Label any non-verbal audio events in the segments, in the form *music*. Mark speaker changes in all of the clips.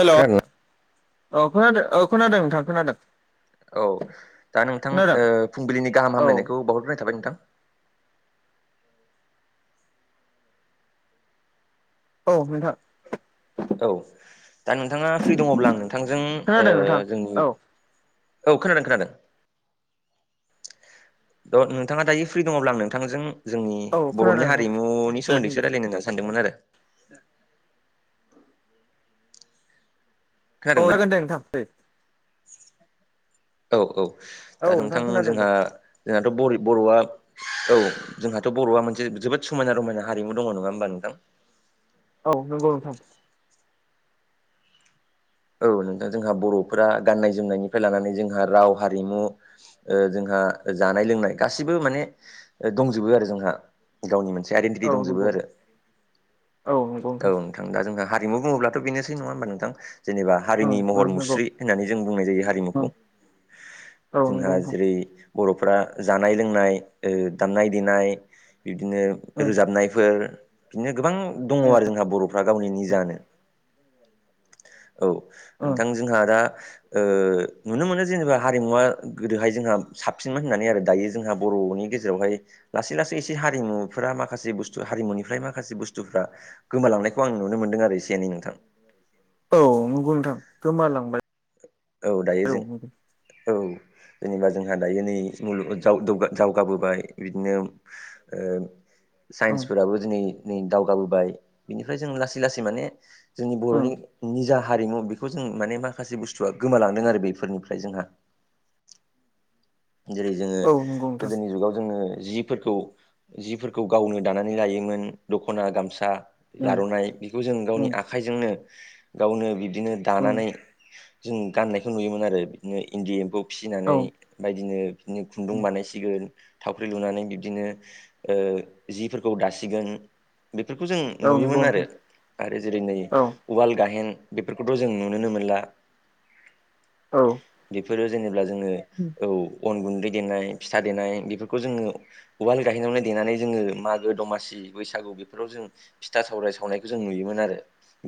Speaker 1: हेल'
Speaker 2: खोनादोंना
Speaker 1: औ खोनादों औ खोनादों नोंथां खोनादों।
Speaker 2: औ दा नोंथां
Speaker 1: खोनादों
Speaker 2: ओ फुंबिलिनि गाहाम
Speaker 1: औ
Speaker 2: हामलायनायखौ बावहरग्रोनाय थाबाय नोंथां।
Speaker 1: औ नोंथां।
Speaker 2: औ दा नोंथाङा फ्रि दङब्ला नोंथांजों ओ
Speaker 1: खोनादों नोंथां औ
Speaker 2: जोंनि औ खोनादों खोनादों। द' नोंथाङा दायो फ्रि दङब्ला आं नोंथांजों जोंनि
Speaker 1: औ खोनादों
Speaker 2: बर'नि
Speaker 1: नोंथां
Speaker 2: हारिमुनि
Speaker 1: दे होनदो
Speaker 2: सोमोन्दैसो रायलायनो सानदोंमोन आरो
Speaker 1: औ
Speaker 2: खोनादों ना
Speaker 1: जागोन दे नोंथां दे
Speaker 2: औ औ
Speaker 1: औ
Speaker 2: दा नोंथां
Speaker 1: खोनादों दे
Speaker 2: जोंहा जोंहाथ' बर बर'आ औ जोंहाथ' बर'आ मोनसे जोबोद समायना रमायना हारिमु दङ नङा होमबा नोंथां?
Speaker 1: औ नोंगौ नोंथां
Speaker 2: औ नोंथां जोंहा बर'फोरा गाननाय जोमनायनिफ्राय लानानै जोंहा राव हारिमु जोंहा जानाय लोंनाय गासिबो माने दंजोबो आरो जोंहा। गावनि मोनसे आइडेेनटिटि
Speaker 1: औ
Speaker 2: दंजोबो
Speaker 1: नंगौ
Speaker 2: आरो
Speaker 1: औ नंगौ
Speaker 2: औ।
Speaker 1: नोंथां
Speaker 2: दा जोंहा हारिमु बुंङोब्लाथ' बेनोसै नङा होमबा नोंथां। जेनेबा
Speaker 1: ओं
Speaker 2: हारिनि
Speaker 1: ओं
Speaker 2: महर
Speaker 1: नंगौ
Speaker 2: मुस्रि होननानै जों बुंनाय जायो
Speaker 1: ओं
Speaker 2: हारिमुखौ।
Speaker 1: औ
Speaker 2: जोंहा
Speaker 1: नंगौ नोंथां
Speaker 2: जेरै बर'फ्रा जानाय लोंनाय दामनाय ओ देनाय बिबदिनो
Speaker 1: ओं
Speaker 2: रोजाबनायफोर बिदिनो गोबां दङ
Speaker 1: ओं
Speaker 2: आरो जोंहा बर'फ्रा गावनि निजानो औ
Speaker 1: ओं
Speaker 2: नोंथां जोंहा दा ओ नुनो मोनो जेनेबा हारिमुवा गोदोहाय जोंहा साबसिनमोन होननानै आरो दायो जोंहा बर'नि गेजेराव जेरावहाय लासै लासै एसे हारिमुफोरा माखासे ब हारिमुनिफ्राय माखासे बुस्थुफ्रा गोमालांनायखौ आं नुनो मोनदों आरो एसे एनै नोंथां।
Speaker 1: औ नंगौ नोंथां गोमालांबाय
Speaker 2: औ दायो जों औ जेनेबा जोंहा दायो नै मुलुग जाव दावजागाबोबाय बिदिनो ओ
Speaker 1: ओं
Speaker 2: साइन्सफोराबो दिनै नै दावगाबोबाय बिनिफ्राय जों लासै लासै माने जोंनि
Speaker 1: ओं
Speaker 2: बर'नि निजा हारिमु बेखौ जों माने माखासे बुस्थु थुआ गोमालांदों आरो बेफोरनिफ्राय जोंहा जेरै जोङो
Speaker 1: औ नंगौ नोंथां
Speaker 2: गोदोनि जुगाव जोङो जिफोरखौ जिफोरखौ गावनो दानानै लायोमोन दख'ना गामसा
Speaker 1: ओं
Speaker 2: आर'नाइ बेखौ जों गावनि
Speaker 1: ओं
Speaker 2: आखाइजोंनो गावनो बिबदिनो
Speaker 1: ओं
Speaker 2: दानानै जों गाननायखौ नुयोमोन आरो बिदिनो इन्दि एम्फौ
Speaker 1: औ
Speaker 2: फिसिनानै बायदिनो बिदिनो खुन्दुं बानायसिगोन थावख्रि लुनानै बिबदिनो ओ जिफोरखौ दासिगोन बेफोरखौ जों
Speaker 1: औ नंगौ
Speaker 2: नुयोमोन आरो
Speaker 1: नोंथां
Speaker 2: आरो जेरै नै
Speaker 1: औ
Speaker 2: उवाल गाहेन बेफोरखौथ' जों नुोननो मोनला
Speaker 1: औ
Speaker 2: बेफोरो जेनेबा जोङो औ अन गुन्दै देनाय फिथा देनाय बेफोरखौ जोङो उवाल गायैनायावनो देनानै जोङो मागो दमासि बैसागु बेफोराव जों फिथा सावराय सावनायखौ जों नुयोमोन आरो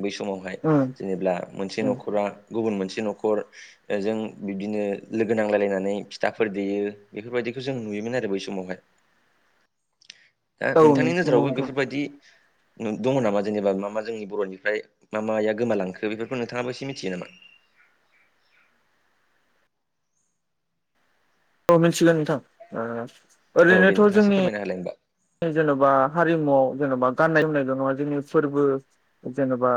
Speaker 2: बै समावहाय
Speaker 1: ओं
Speaker 2: जेनेबब्ला मोनसे न'खरा गुबुन मोनसे न'खर जों बिब्दिनो लोगो नांलायलायनानै फिथाफोर देयो बेफोरबायदिखौ जों नुयोमोन आरो बै समावहाय दा
Speaker 1: औ
Speaker 2: नोंथांनि
Speaker 1: नंगौ
Speaker 2: नोजोरावबो
Speaker 1: नोंथां
Speaker 2: बेफोरबायदि दङ नामा जेनेबा मा मा जोंनि बर'निफ्राय मा माया गोमालांखो बेफोरखौ नोंथाङाबो एसे मिथियो नामा?
Speaker 1: औ मिथिगोन नोंथां।
Speaker 2: औ
Speaker 1: ओरैनोथ'
Speaker 2: देोंथांसे
Speaker 1: जोंनि
Speaker 2: फोरमाय होलाय होनबा
Speaker 1: जेन'बा हारिमुवआव जेन'बा गाननाय जोमनाय द नङा जोंनि फोरबो जेनेबा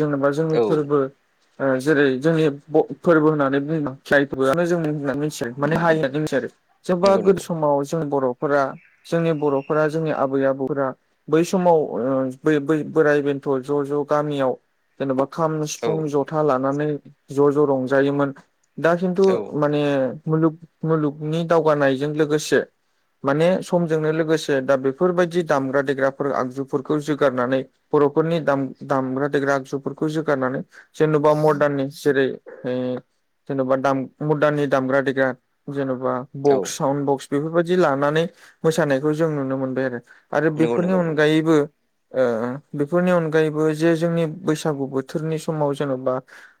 Speaker 1: जेनेबा
Speaker 2: औ
Speaker 1: जोंनि फोरबो जेरै जोंनि बफोरबो होननानै बुङोबा जायखिया फोरबोआनो जों बुंनानै मिथियो माने हारि होननानै मिथि आरो जेनबा
Speaker 2: नंगौ
Speaker 1: गोदो
Speaker 2: नंगौ
Speaker 1: समाव जों बर'फोरा जोंनि बर'फोरा जोंनि आबै आबौफोरा बै समाव ओ बै बै बोराइ बेन्थ' ज' ज' गामियाव जेन'बा खाम
Speaker 2: औ
Speaker 1: सिफुं ज'था लानानै ज' ज' रंजायोमोन दा खिनथु
Speaker 2: औ
Speaker 1: माने मुलुग मुलुगनि दावगानायजों लोगोसे माने समजोंनो लोगोसे दा बेफोरबायदि दामग्रा देग्राफोर आगजुफोरखौ जोगारनानै बर'फोरनि दाम दामग्रा देग्रा आगजुफोरखौ जोगारनानै जेन'बा मर्दार्ननि जेरै ओय जेन'बा दाम मुदाननि दामग्रा देग्रा जेन'बा
Speaker 2: औ
Speaker 1: बक्स साउन बक्स बेफोरबायाददि लानानै मोसानायखौ जों नुनो मोनबाय आरो। आरो
Speaker 2: नंगौ
Speaker 1: बेफोरनि
Speaker 2: नंगौ नंगौ
Speaker 1: अनगायैबो ओ बेफोरनि अनगायैबो जे जोंनि बैसागु बोथोरनि समाव जेन'बा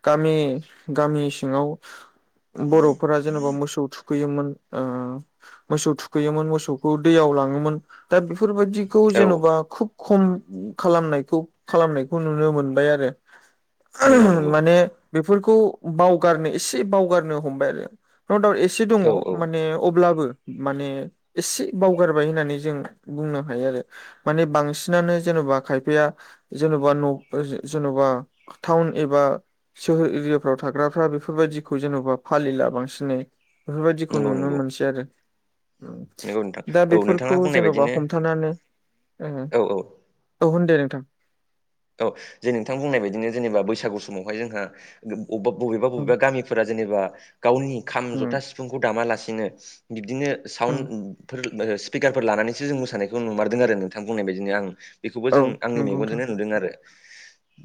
Speaker 1: गामि गामि सिङाव बर'फोरा जेनेबा मोसौ थुख थुखैयोमोन ओ मोसौ थुखैयोमोन मोसौखौ दैयाव लाङोमोन दा बेफोरबायदि
Speaker 2: औ
Speaker 1: जेन'बा खुब खम खालामनायखौ खालामनायखौ नुनो मोनबाय आरो
Speaker 2: नंगौ नंगौ
Speaker 1: माने बेफोरखौ बावगारनो एसे बावगारनो हमबाय आरो न' दाउट एसे दङ
Speaker 2: औ औ
Speaker 1: माने अब्लाबो माने एसे बावगार बाय होननानै जों बुंनो हायो आरो माने बांसिनानो जेन'बा खायफाया जेन'बा न' ओ जे जेन'बा टाउन एबा सोहोर एरियाफ्राव थाग्राफ्रा बेफोरबायदिखौ जेन'बा फालिला बांसिनै। बेफोरबायदिखौ नुनो मोनसै आरो।
Speaker 2: नोंगौ नोंथां औ। नोंथाङा
Speaker 1: फोरखौ
Speaker 2: बुंनाय
Speaker 1: जेन'बा
Speaker 2: बायदिनो
Speaker 1: हमथानानै ओ
Speaker 2: औ औ
Speaker 1: औ होन दे नोंथां।
Speaker 2: औ जे नोंथां बुंनाय बायदिनो जेनेबा बैसागु समावहाय जोंहा गोब अब
Speaker 1: उम
Speaker 2: बबेबा-बबेबा गामि फोरा जेनेबा गावनि खाम जथा
Speaker 1: उम
Speaker 2: सिफुंखौ दामालासिनो बिदिनो साउड
Speaker 1: उम
Speaker 2: फोर ओ स्पिकारफोर लानानैसो जों मोसानायखौ नुमारदों आरो नोंथां बुंनाय बायदिनो आं। बेखौबो
Speaker 1: औ
Speaker 2: जों आंनि
Speaker 1: नंगौ नोंथां
Speaker 2: मेगनजोंनो नुदों आरो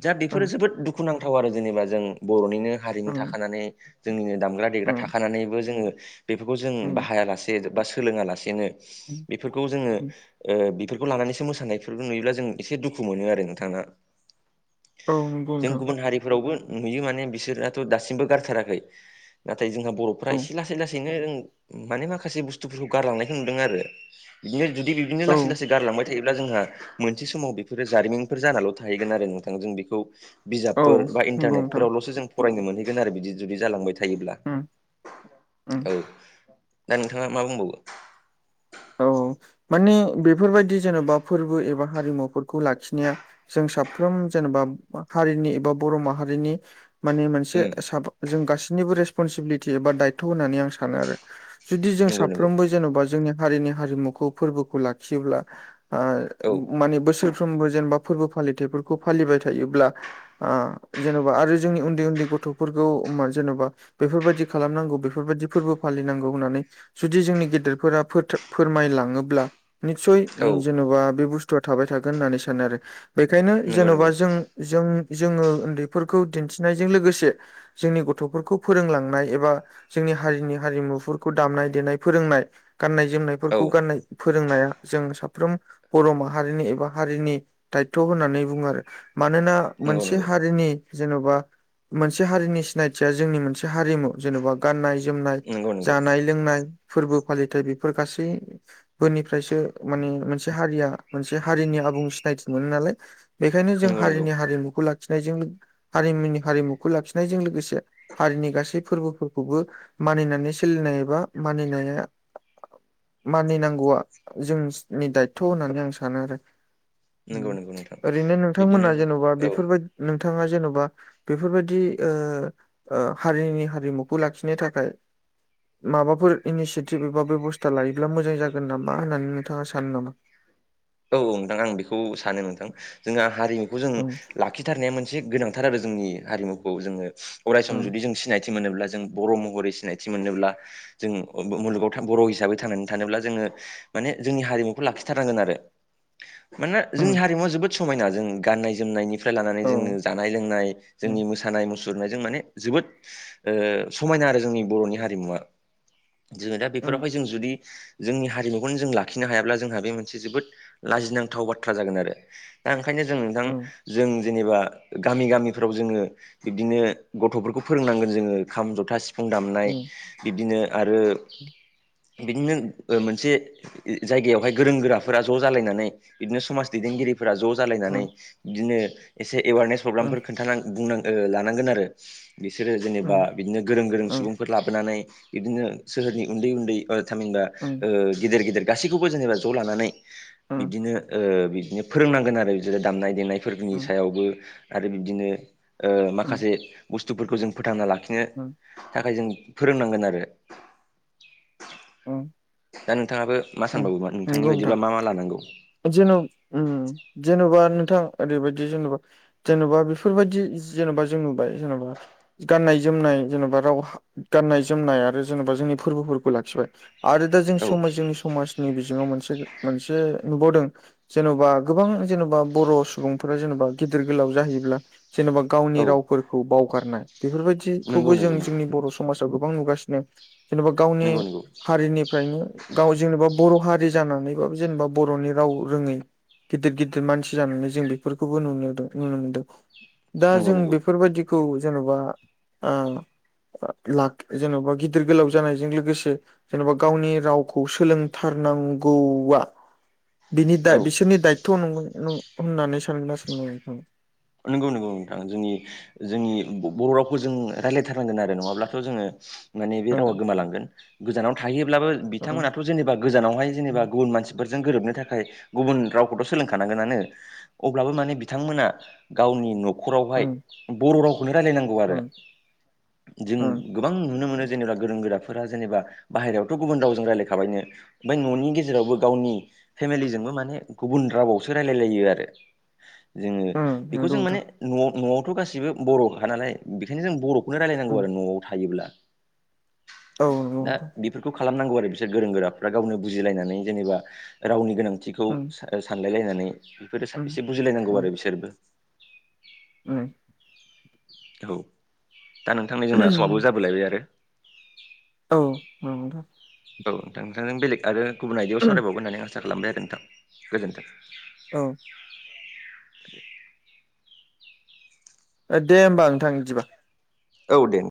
Speaker 2: दा बेफोरो
Speaker 1: उम
Speaker 2: जोबोद दुख खुनांथाव आरो जेनेबा जों बर'निनो हारिमु
Speaker 1: उम
Speaker 2: थाखानानै जोंनिनो दामग्रा देग्रा
Speaker 1: उम
Speaker 2: थाखानानैबो जोङो बेफोरखौ जों
Speaker 1: उम
Speaker 2: बाहायालासे बा सोलोङा लासेनो
Speaker 1: औ
Speaker 2: बेफोरखौ जोङो ओ बेफोरखौ लानानैसो मोसानायफोरखौ नुयोब्ला जों एसे दुखु मोनो आरो। नोंथाङा
Speaker 1: नंगौ
Speaker 2: जों
Speaker 1: नोंथां
Speaker 2: गुबुन हारिफोरावबो नुयो माने बिसोरथ' दासिमबो गारथाराखै नाथाय जोंहा बर'फ्रा
Speaker 1: औ
Speaker 2: एसे लासै लासै लासैनो ओं माने माखासे बुस्थुफोरखौ गारलांनायखौ नुदों आरो। बिदिनो जुदि बिदिनो
Speaker 1: औ
Speaker 2: लासै-लासै गारलांबाय थायोब्ला जोंहा मोनसे समाव बेफोरो जारिमिन फोर जानाल' थाहैगोन आरो नोंथां बेखौ
Speaker 1: औ
Speaker 2: बिजाबफोर बा
Speaker 1: नंगौ नोंथां
Speaker 2: इन्टारनेटफोरावल'सो जों फरायनो मोनहैगोन आरो बिदि जुदि जालांबाय थायोब्ला
Speaker 1: उम उम
Speaker 2: औ। दा नोंथाङा मा बुंबावो।
Speaker 1: औ माने बेफोरबायदि जेन'बा फोरबो एबा हारिमुफोरखौ लाखिनाया जों साफ्रोम जेनेबा हारिनि एबा बर' माहारिनि माने मोनसे
Speaker 2: उम
Speaker 1: साबा जों गासैनिबो रेसपनसिबिलिटि एबा दायथ' होननानै आं सानो आरो। जुदि जों
Speaker 2: नंगौ नंगौ
Speaker 1: साफ्रोमबो जेन'बा जोंनि हारिनि हारिमुखौ फोरबोखौ लाखियोब्ला
Speaker 2: औ
Speaker 1: ओ माने बोसोरफ्रोमबो जेनेबा फोरबो फालिथायाइफोरखौ फालिबाय थायोब्ला आं जेन'बा आरो जोंनि उन्दै-उन्दै गथ'फोरखौ मा जेन'बा बेफोरबायदि खालामनांगौ बेफोरबायदि फोरबो फालिनांगौ होननानै जुदि जोंनि गेदेरफोरा फो फोरमायलाङोब्ला नितसय
Speaker 2: औ
Speaker 1: जेन'बा बे बुस्थुआ थाबाय थागोन होननानै सानो आरो। बेखायनो
Speaker 2: नंगौ
Speaker 1: जेन'बा
Speaker 2: नंगौ
Speaker 1: जों-जों जोङो उन्दैफोरखौ दिन्थिनायजों लोगोसे जोंनि गथ'फोरखौ फोरोंलांनाय एबा जोंनि हारिनि हारिमुफोरखौ दामनाय देनाय फोरोंनाय गान्नाय
Speaker 2: औ
Speaker 1: जोमनायफोरखौ गाननाय फोरोंनाया जों साफ्रोम बर' माहारिनि एबा हारिनि दायथ' होननानै बुङो आरो। मानोना
Speaker 2: नंगौ
Speaker 1: मोनसे
Speaker 2: नंगौ
Speaker 1: हारिनि जेन'बा मोनसे हारिनि सिनायथिया जोंनि मोनसे हारिमु जेन'बा गाननाय जोमनाय
Speaker 2: नंगौ नंगौ
Speaker 1: जानाय लोंनाय फोरबो फालिथाय बेफोर गासै फोरनिफ्रायसो माने मोनसे हारिया मोनसे हारिनि आबुं सिनायथि मोनो नालाय। बेखायनो जों
Speaker 2: नंगौ नंगौ
Speaker 1: हारिनि हारिमुखौ लाखिनायजों हारिमुनि हारिमुखौ लाखिनायजों लोगोसे हारिनि गासै फोरबोफोरखौबो मानिनानै सोलिनाय एबा मानिनाया मानिनांगौआ जोंनि दायथ' होननानै आं सानो आरो।
Speaker 2: नंगौ नंगौ नोंथां
Speaker 1: ओरैनो
Speaker 2: बिदिनो
Speaker 1: नोंथांमोना
Speaker 2: जों
Speaker 1: जेन'बा
Speaker 2: औ
Speaker 1: बेफोरबाय नोंथाङा जेन'बा बेफोरबायदि ओ-ओ हारिनि हारिमुखौ लाखिनो थाखाय माबाफोर इनिसियेटिभ एबा बेबस्था लायोब्ला मोजां जागोन नामा होननानै नोंथाङा सानो नामा?
Speaker 2: औऔ नोंथां आं बेखौ सानो नोंथां जोंहा हारिमुखौ जों
Speaker 1: उम
Speaker 2: लाखि थारनाया मोनसे गोनांथार आरो जोंनि हारिमुखौ जोङो अराय सम
Speaker 1: उम
Speaker 2: जुदि जों सिनायथि मोनोब्ला जों बर' महरै सिनायथि मोनोब्ला जों अबब' मुलुगाव बर' हिसाबै थांनानै थानोब्ला जोङो माने जोंनि हारिमुखौ लाखिथारनांगोन आरो। मानोना
Speaker 1: उम
Speaker 2: जोंनि हारिमुवा जोबोद समायना जों गाननाय जोमनायनि निफ्राय लानानै
Speaker 1: औ
Speaker 2: जोङो जानाय लोंनाय जोंनि
Speaker 1: उम
Speaker 2: मोसानाय मुसुरनायजों माने जोबोद ओ समायना आरो जोंनि बर'नि हारिमुवा जोङो दा
Speaker 1: उम
Speaker 2: बेफोरावहाय जों जुदि जोंनि हारिमुखौनो जों लाखिनो हायाब्ला जोंहा बे मोनसे जोबोद लाजिनांथाव बाथ्रा जागोन आरो दा ओंखायनो जों नोंथां जों जेनेबा गामि गामिफ्राव जोङो बिब्दिनो गथ'फोरखौ फोरोंनांगोन जोङो खाम जथा सि फां दामनाय
Speaker 1: उम
Speaker 2: बिदिनो आरो बिदिनो मोनसे जायगायावहाय गोरों गोराफोरा ज' जालायनानै बिदिनो समाज दैदेनगिरिफोरा ज' जालायनानै
Speaker 1: उम
Speaker 2: बिदिनो एसे एवारने
Speaker 1: उम उम
Speaker 2: प्रग्रामफोर खोन्थानां बुंनां लानांगोन आरो बिसोरो
Speaker 1: उम
Speaker 2: जेनेबा बिदिनो गोरों गोरों
Speaker 1: उम
Speaker 2: सुबुं फोर लाबोनानै बिदिनो सोहोरनि उन्दै उन्दै थामिनबा
Speaker 1: उम उम
Speaker 2: ओ गेदिर गिदिर गासैखौबो जेनेबा ज' लानानै बिदिनो ओ बिदिनो फोरोंनांगोन आरो दामनाय देनाय फोरनि सायावबो आरो बिबदिनो ओ
Speaker 1: उम
Speaker 2: माखासे बुस्थुफोरखौ जों फोथांना लाखि नो
Speaker 1: उम
Speaker 2: थाखाय जों फोरोंनांगोन आरो
Speaker 1: ओं
Speaker 2: दा नोंथाङाबो मा सानबावौ नोंथांनि
Speaker 1: नोंथां।
Speaker 2: बायदिब्ला मा मा लानांगौ
Speaker 1: जेन' उम जेन'बा नोंथां ओरैबायाददि जेन'बा जेन'बा बेफोरबायदि जेन'बा जों नुबाय जेन'बा गाननाय जोमनाय जेन'बा राव हा गाननाय जोमनाय आरो जेनेबा जोंनि फोरबोफोरखौ लाखिबाय आरो दा जों
Speaker 2: औ
Speaker 1: समा जोंनि समाजनि बिजोङाव मोनसे मोनसे नुबावदों जेन'बा गोबां जेनेबा बर' सुबुंफोरा जेनेबा गिदिर गोलाव जाहैब्ला जेन'बा
Speaker 2: औ
Speaker 1: गावनि रावफोरखौ बावगारनाय
Speaker 2: नंगौ
Speaker 1: बेफोरबायदिखौबो जों
Speaker 2: नंगौ नंगौ
Speaker 1: जोंनि बर' समाजाव गोबां नुगासिनो जेनेबा गावनि
Speaker 2: नंगौ नंगौ
Speaker 1: हारिनिफ्रायनो गाव जेनेबा बर' हारि जानानैबाबो जेनेबा बर'नि राव रोङै गिदिर गिदिर मानसि जानानै जों बेफोरखौबो नुनोदों नुनो मोनदों दा
Speaker 2: नंगौ
Speaker 1: जों बेफोरबायदि खौ जेन'बा आ ला जेन'बा गिदिर गोलाव जानायजों लोगोसे जेनेबा गावनि रावखौ सोलोंथारनांगौआ बिनि दा
Speaker 2: औ
Speaker 1: बिसोरनि दायथ' नंगौनं होननानै सानगोना सान नोंथाङा
Speaker 2: नंगौ नंगौ नोंथां जोंनि जोंनि बर' रावखौ जों रायज्लायथारनांगोन आरो नङाब्लाथ' जोङो माने बे रावा
Speaker 1: ओं
Speaker 2: गोमालांगोन गोजानाव थाहैयोब्लाबो
Speaker 1: ओं
Speaker 2: बिथांमोनाथ' जेनेबा गोजानावहाय जेनेबा गुबुन मानसि फोरजों गोरोबनो थाखाय गुबुन रावखौथ' सोलोंखानांगोनानो अब्लाबो माने बिथांमोना गावनि न'खरावहाय
Speaker 1: ओं
Speaker 2: बर' रावखौनो रायलायनांगौ आरो
Speaker 1: ओं
Speaker 2: जों
Speaker 1: ओं
Speaker 2: गोबां नुनो मोनो जेनेबा गोरों गोराफोरा जेनेबा बाहेरायावथ' गुबुन रावजों रायज्लायखाबायनो ओमफ्राय न'नि गेजेरावबो गावनि फेमिलिजोंबो माने गुबुन रावावसो रायलायलायो आरो जोङो
Speaker 1: ओं
Speaker 2: बेखौ
Speaker 1: नंगौ
Speaker 2: जों
Speaker 1: नोंथां
Speaker 2: माने न' न'आवथ' गाससिबो बर'खा नालाय बेखायनो जों बर' बेनो
Speaker 1: ओं
Speaker 2: रायलायनांगौ आरो न'आव थायोब्ला
Speaker 1: औ नंगौ
Speaker 2: दा
Speaker 1: नोंथां
Speaker 2: बेफोरखौ खालामनांगौ आरो बिसोर गोरों गोराफ्रा गावनो बुजिलायनानै जेनेबा रावनि गोनां खथिखौ
Speaker 1: ओं
Speaker 2: सानलायलायनानै बेफोरो
Speaker 1: ओं
Speaker 2: एसे बुजिलायनांगौ
Speaker 1: ओं
Speaker 2: आरो बिसोरबो
Speaker 1: *inaudible*
Speaker 2: औ दा नोंथांनि जोंना
Speaker 1: ओं
Speaker 2: साबबो जाबोलायबाय आरो
Speaker 1: औ म दा
Speaker 2: औ नोंथां नोंथांजों बेलेग आरो गुबुन आयदायाव सावरायबावगोन होननानै आसा खालामबाय आरो नोंथां गोजोन्थों
Speaker 1: औ दे होनोमबा नोंथां बिदिबा
Speaker 2: औ दे।